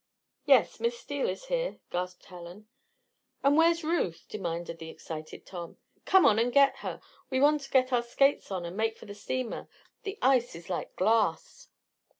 "Yes. Miss Steele's here," gasped Helen. "But where's Ruth?" demanded the excited Tom. "Come on and get her. We want to get our skates on and make for the steamer. The ice is like glass."